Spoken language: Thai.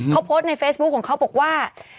เขาโพสต์ในเฟซบุ๊คของเขาบอกว่า